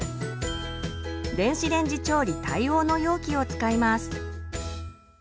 電子レンジ調理対応の容器を使います。